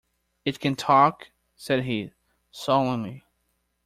‘It can talk,’ said he, solemnly.